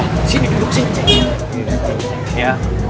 sini duduk sih ceng